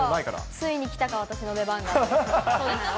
ついに来たか、私の出番がと。